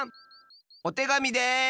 おてがみです！